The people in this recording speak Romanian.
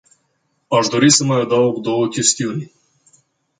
Aș dori să mai adaug două chestiuni.